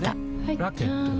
ラケットは？